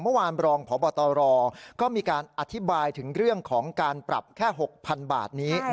เมื่อวานรองพบตรก็มีการอธิบายถึงเรื่องของการปรับแค่๖๐๐๐บาทนี้